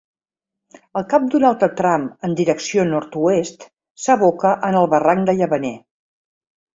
Al cap d'un altre tram en direcció nord-oest s'aboca en el barranc de Llavaner.